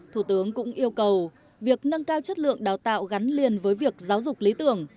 thủ tướng cũng yêu cầu việc nâng cao chất lượng đào tạo gắn liền với việc giáo dục lý tưởng